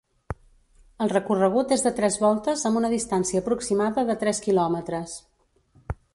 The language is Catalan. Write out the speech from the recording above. El recorregut és de tres voltes amb una distància aproximada de tres quilòmetres.